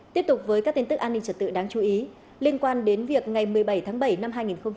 tiếp tục với các tin tức an ninh trật tự đáng chú ý liên quan đến việc ngày một mươi bảy tháng bảy năm hai nghìn hai mươi